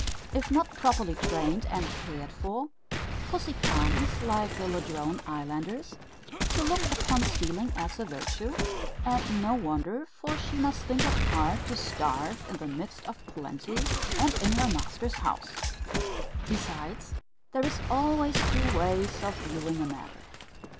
If not properly trained and cared for, pussy comes like the Ladrone islanders to look upon stealing as a virtue; and no wonder, for she must think it hard to starve in the midst of plenty, and in her master's house. Besides, there is always two ways of viewing a matter.